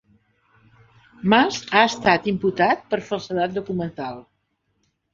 Mas ha estat imputat per falsedat documental